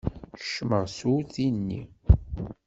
Keccmeɣ s urti-nni.